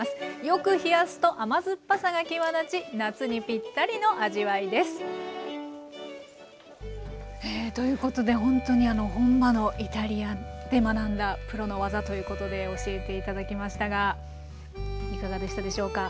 よく冷やすと甘酸っぱさが際立ち夏にぴったりの味わいです。ということでほんとに本場のイタリアで学んだプロの技ということで教えて頂きましたがいかがでしたでしょうか？